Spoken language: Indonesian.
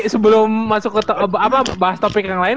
sebelum masuk ke bahas topik yang lain